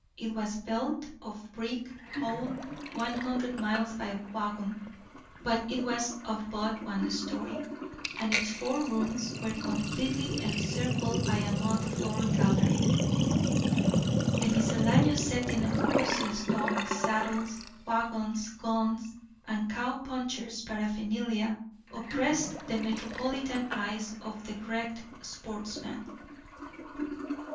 It was built of brick hauled one hundred miles by wagon, but it was of but one story, and its four rooms were completely encircled by a mud floor "gallery." The miscellaneous setting of horses, dogs, saddles, wagons, guns, and cow punchers' paraphernalia oppressed the metropolitan eyes of the wrecked sportsman.